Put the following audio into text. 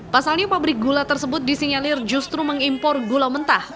pasalnya pabrik gula tersebut disinyalir justru mengimpor gula mentah